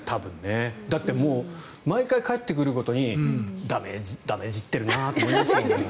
だって毎回帰ってくるごとにダメージってるなと思いますもん。